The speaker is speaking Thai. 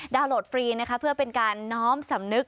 โหลดฟรีนะคะเพื่อเป็นการน้อมสำนึก